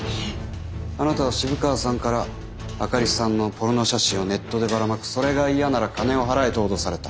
あなたは渋川さんから灯里さんのポルノ写真をネットでばらまくそれが嫌なら金を払えと脅された。